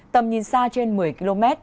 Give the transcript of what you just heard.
tầm nhìn xa trên một mươi km